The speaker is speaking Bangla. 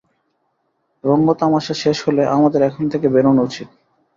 রঙ্গতামাসা শেষ হলে, আমাদের এখান থেকে বেরোনো উচিত।